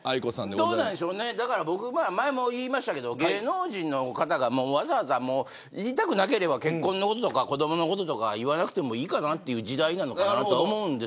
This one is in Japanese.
僕、前も言いましたけど芸能人の方が言いたくなければ結婚のこととか子どものこととか言わなくてもいい時代だと思います。